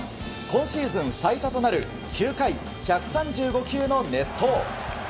今シーズン最多となる９回１３５球の熱投。